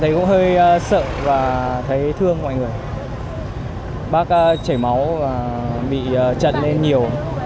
thấy cũng hơi sợ và thấy thương mọi người bác chảy máu và bị trận nhiều